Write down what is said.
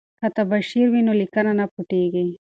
که تباشیر وي نو لیکنه نه پټیږي.